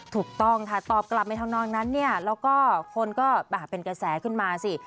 ถูกต้องค่ะตอบกลับในธรรมนองนั้นเนี่ยแล้วก็คนก็เป็นกระแสขึ้นมาสิ